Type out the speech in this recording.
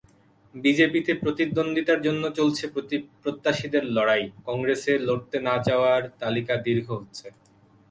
বিজেপিতে প্রতিদ্বন্দ্বিতার জন্য চলছে প্রত্যাশীদের লড়াই, কংগ্রেসে লড়তে না-চাওয়ার তালিকা দীর্ঘ হচ্ছে।